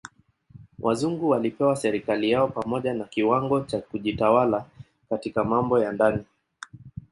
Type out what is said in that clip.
Wazungu walipewa serikali yao pamoja na kiwango cha kujitawala katika mambo ya ndani.